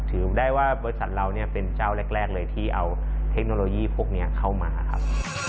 ถือได้ว่าบริษัทเราเนี่ยเป็นเจ้าแรกเลยที่เอาเทคโนโลยีพวกนี้เข้ามาครับ